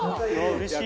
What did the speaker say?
うれしい。